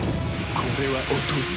これはおとり！？